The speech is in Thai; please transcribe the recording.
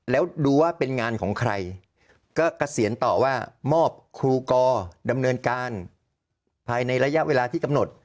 แล้วดูว่าเป็นงานของใครก็เกษียณต่อว่ามอบครูกอดำเนินการภายในระยะเวลาที่กำหนด